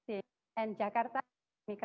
pertama tama pemerintah keuangan